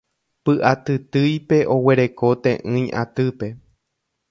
Py'atytýipe oguereko te'ỹi atýpe.